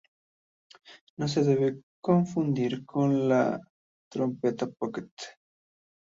No se debe confundir con la trompeta pocket.